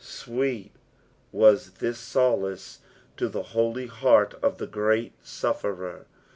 Bweet was this solace to the holy heart of the great sufEerer.